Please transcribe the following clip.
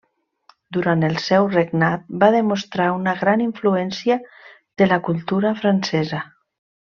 Durant el seu regnat va demostrar una gran influència de la cultura francesa.